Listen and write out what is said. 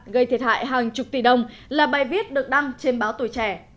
gây thiệt hại hàng chục tỷ đồng là bài viết được đăng trên báo tuổi trẻ